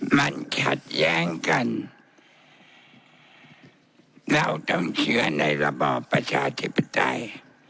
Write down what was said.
มันขัดแย้งกันเราต้องเชื่อในระบอบประชาธิปไตย